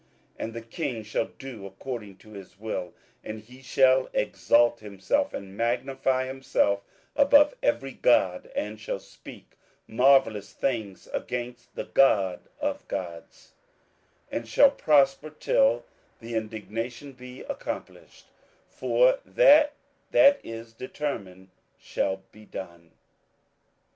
27:011:036 And the king shall do according to his will; and he shall exalt himself, and magnify himself above every god, and shall speak marvellous things against the God of gods, and shall prosper till the indignation be accomplished: for that that is determined shall be done.